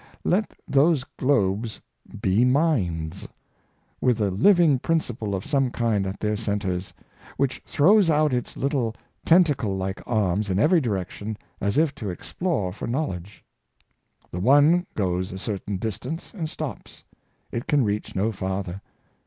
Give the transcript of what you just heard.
Let those globes be minds, with a living principle of some kind at their centres, which throws out its little tentacle like arms in every direction as if to explore for knowledge. The one goes a cer tain distance and stops. It can reach no farther.